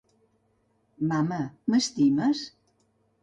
Mama, m'estimes?